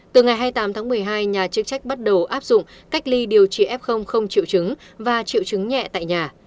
từ ngày hai mươi tám tháng một mươi hai nhà chức trách bắt đầu áp dụng cách ly điều trị f không triệu chứng và triệu chứng nhẹ tại nhà